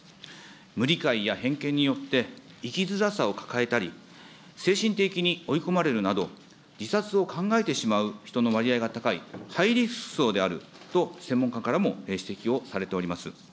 無理解や偏見によって、生きづらさを抱えたり、精神的に追い込まれるなど、自殺を考えてしまう人の割合が高い、ハイリスク層であると専門家からも指摘をされております。